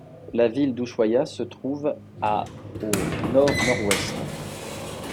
La ville d'Ushuaïa se trouve à au nord-nord-ouest.